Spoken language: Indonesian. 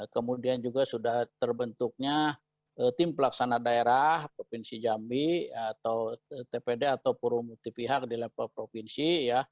kemudian juga sudah terbentuknya tim pelaksana daerah provinsi jambi atau tpd atau puru multipihak di level provinsi